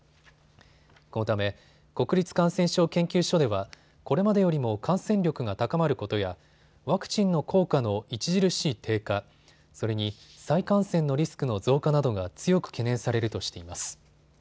このため、国立感染症研究所ではこれまでよりも感染力が高まることやワクチンの効果の著しい低下、それに再感染のリスクの増加などが強く懸念されるとしています。